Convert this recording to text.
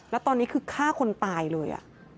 แล้วตอนนี้คือฆ่าคนตายเลย